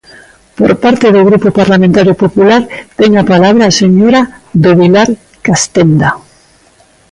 Por parte do Grupo Parlamentario Popular ten a palabra a señora do Vilar Castenda.